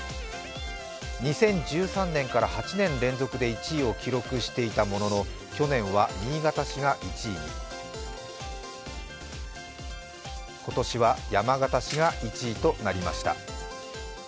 ２０１３年から８年連続で１位を記録していたものの去年は新潟市が１位に今年は山形市が１位となりました。